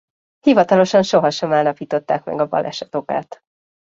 Hivatalosan sohasem állapították meg a baleset okát.